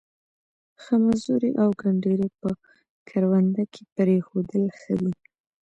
خمزوري او گنډري په کرونده کې پرېښودل ښه وي.